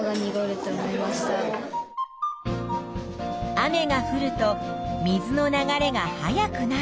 雨がふると水の流れが速くなる。